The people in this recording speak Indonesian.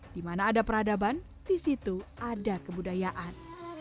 di mana ada peradaban di situ ada kebudayaan